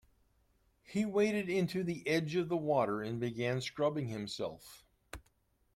He waded into the edge of the water and began scrubbing himself.